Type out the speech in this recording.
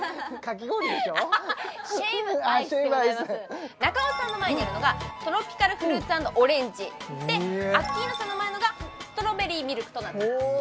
うーん中尾さんの前にあるのがトロピカルフルーツ＆オレンジでアッキーナさんの前のがストロベリーミルクとなっていますおお！